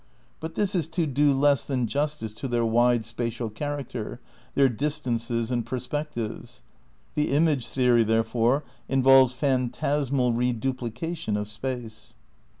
But this is to do less than justice to their wide spatial character, their distances and perspectives. The image theory, therefore, in volves phantasmal reduplication of space.